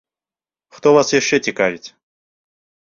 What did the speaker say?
Хто вас яшчэ цікавіць?